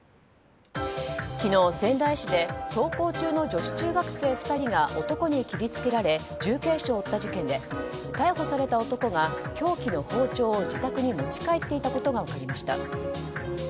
昨日、仙台市で登校中の女子中学生２人が男に切り付けられ重軽傷を負った事件で逮捕された男が、凶器の包丁を自宅に持ち帰っていたことが分かりました。